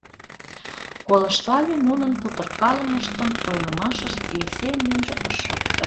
Колыштале нунын кутыркалымыштым — ойлымаштышт Евсейын лӱмжӧ ыш шокто.